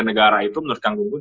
negara itu menurut kang gunggun